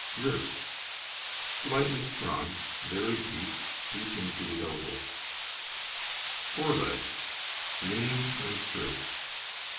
RIBS Slightly sprung, very deep, reaching to the elbow. FORE LEGS Lean and straight.